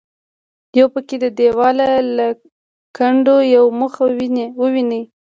یو پکې د دیواله له کنډوه یو مخ وویني.